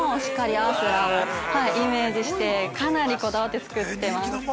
アースラをイメージして、こだわって作ってます。